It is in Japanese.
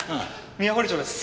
宮堀町です。